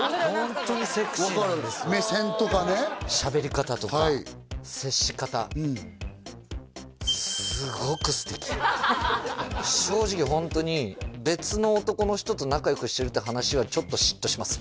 目線とかねしゃべり方とか接し方うん正直ホントに別の男の人と仲良くしてるって話はちょっと嫉妬します